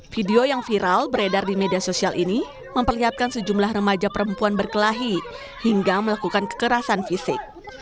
video yang viral beredar di media sosial ini memperlihatkan sejumlah remaja perempuan berkelahi hingga melakukan kekerasan fisik